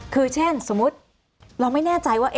คือเช่นสมมุติเราไม่แน่ใจว่า